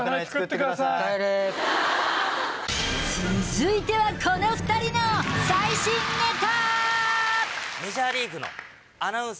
続いてはこの２人の最新ネタ！